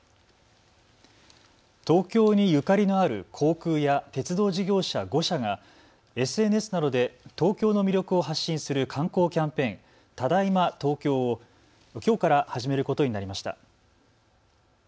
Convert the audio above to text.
東京にゆかりのある航空や鉄道事業者５社がＳＮＳなどで東京の魅力を発信する観光キャンペーン、ただいま東京をきょうから始めることになりました。